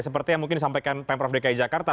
seperti yang mungkin disampaikan pemprov dki jakarta